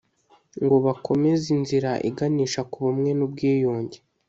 ngo bakomeze inzira iganisha ku bumwe n’ubwiyunge